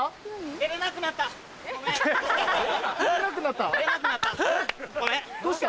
出れなくなった？